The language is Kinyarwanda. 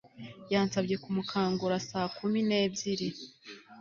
Yansabye kumukangura saa kumi nebyiri